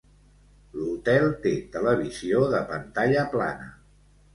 L'hotel té televisió de pantalla plana.